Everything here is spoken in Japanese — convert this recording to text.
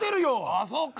ああそうか。